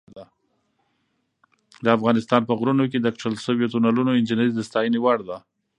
د افغانستان په غرونو کې د کښل شویو تونلونو انجینري د ستاینې وړ ده.